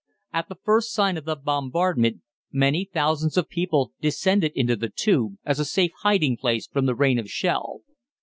At the first sign of the bombardment many thousands of people descended into the "Tube" as a safe hiding place from the rain of shell.